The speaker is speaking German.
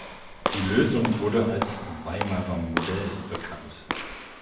Die Lösung wurde als „Weimarer Modell“ bekannt.